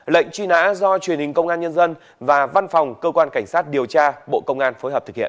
lệnh truy nã do truyền hình công an nhân dân và văn phòng cơ quan cảnh sát điều tra bộ công an phối hợp thực hiện